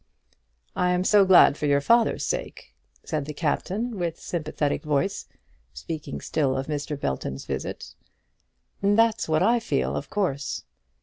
"I am so glad, for your father's sake!" said the captain, with sympathetic voice, speaking still of Mr. Belton's visit. "That's what I feel, of course."